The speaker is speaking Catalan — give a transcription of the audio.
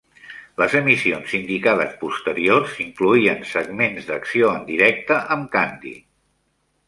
Les emissions sindicades posteriors incloïen segments d'acció en directe amb Candy.